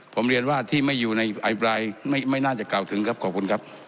ผมเรียนว่าที่ไม่อยู่ในอภิปรายไม่น่าจะกล่าวถึงครับขอบคุณครับ